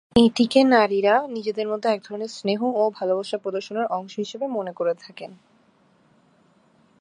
এটিকে নারী-রা নিজেদের মধ্যে একধরনের স্নেহ ও ভালোবাসা প্রদর্শনের অংশ হিসেবে মনে করে থাকেন।